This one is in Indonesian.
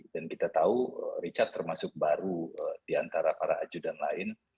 dan kita tahu richard termasuk baru diantara para ajudan lain